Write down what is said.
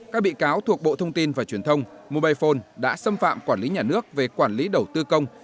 các bị cáo thuộc bộ thông tin và truyền thông mobile phone đã xâm phạm quản lý nhà nước về quản lý đầu tư công